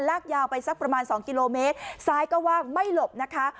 ลากยาวไปสักประมาณสองกิโลเมตรซ้ายก็ว่างไม่หลบนะคะ